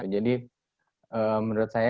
jadi menurut saya